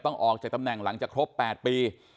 ออกจากตำแหน่งหลังจากครบ๘ปี